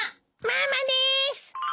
ママです！